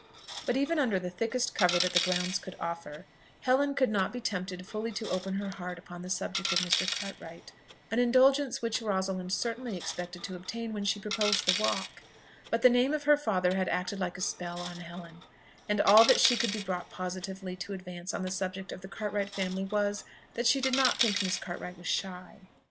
But even under the thickest cover that the grounds could offer, Helen could not be tempted fully to open her heart upon the subject of Mr. Cartwright, an indulgence which Rosalind certainly expected to obtain when she proposed the walk; but the name of her father had acted like a spell on Helen, and all that she could be brought positively to advance on the subject of the Cartwright family was, that she did not think Miss Cartwright was shy.